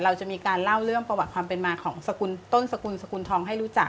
เราจะมีการเล่าเรื่องประวัติความเป็นมาของสกุลต้นสกุลสกุลทองให้รู้จัก